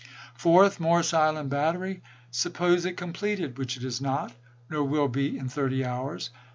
Fourth. Morris Island Battery : Suppose it completed, which it is not, nor will be in thirty hours.